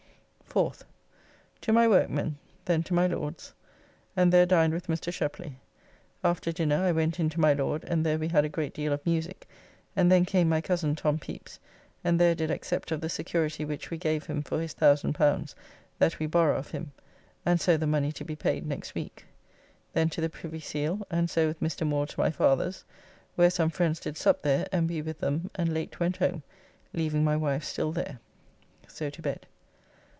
4th. To my workmen, then to my Lord's, and there dined with Mr. Shepley. After dinner I went in to my Lord and there we had a great deal of musique, and then came my cozen Tom Pepys and there did accept of the security which we gave him for his L1000 that we borrow of him, and so the money to be paid next week. Then to the Privy Seal, and so with Mr. Moore to my father's, where some friends did sup there and we with them and late went home, leaving my wife still there. So to bed.